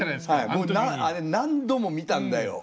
もうあれ何度も見たんだよ。